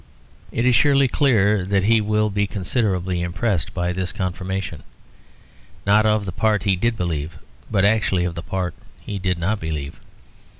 It is surely clear that he will be considerably impressed by this confirmation, not of the part he did believe, but actually of the part he did not believe.